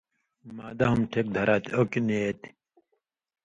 معدہ ہُم ٹھِک دھرا تھی، اوکیۡ نی اےتھی۔